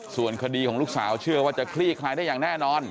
ส่วนคดีของลูกสาวเชื่อว่าจะคลี่คลายได้อย่างแน่นอน